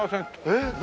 えっ？